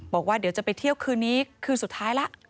บอกว่าเดี๋ยวจะไปเที่ยวคืนนี้คืนสุดท้ายแล้ว